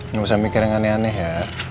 nggak usah mikir yang aneh aneh ya